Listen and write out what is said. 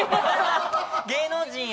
芸能人や。